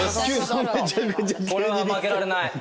これは負けられない。